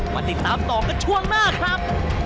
มาติดตามต่อกันช่วงหน้าครับ